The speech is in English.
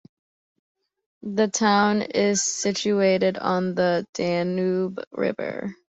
The town is situated on the Danube river.